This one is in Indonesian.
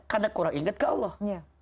karena kurang inget ke allah